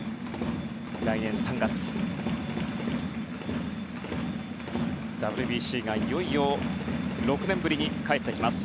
来年３月、ＷＢＣがいよいよ６年ぶりに帰ってきます。